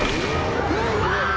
うわ！